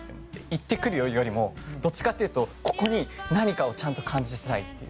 行ってくるよよりもどっちかというとここに何かをちゃんと感じたい。